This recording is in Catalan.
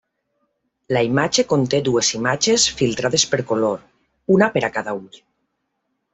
La imatge conté dues imatges filtrades per color, una per a cada ull.